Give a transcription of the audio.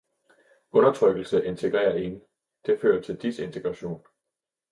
Undertrykkelse integrerer ingen, det fører til disintegration.